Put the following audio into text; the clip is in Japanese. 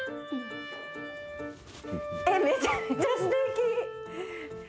え、めちゃめちゃすてき。